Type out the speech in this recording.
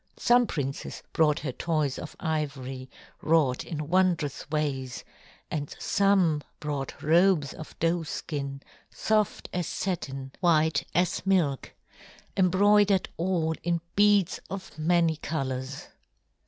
Some princes brought her toys of ivory wrought in wondrous ways, and some brought robes of doeskin, soft as satin, white as milk, embroidered all in beads of many colors.